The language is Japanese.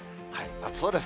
暑そうです。